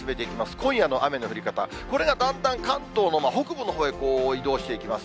今夜の雨の降り方、これがだんだん関東の北部のほうへ移動していきます。